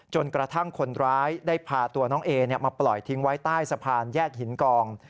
จนกระทั่งคนร้ายได้พาตัวน้องเอมาปล่อยทิ้งไว้ใต้สะพานแยกหินกอง